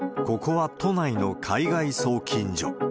ここは都内の海外送金所。